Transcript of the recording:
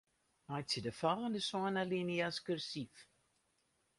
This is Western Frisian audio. Meitsje de folgjende sân alinea's kursyf.